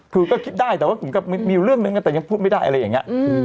คือก็คิดได้แต่ว่าผมก็มีอยู่เรื่องนึงแต่ยังพูดไม่ได้อะไรอย่างนี้